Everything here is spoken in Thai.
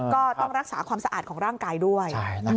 ก็ต้องรักษาความสะอาดของร่างกายด้วย